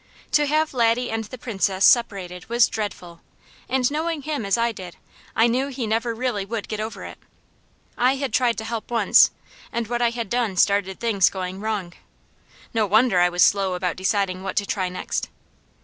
To have Laddie and the Princess separated was dreadful, and knowing him as I did, I knew he never really would get over it. I had tried to help once, and what I had done started things going wrong; no wonder I was slow about deciding what to try next.